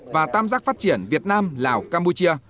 và tam giác phát triển việt nam lào campuchia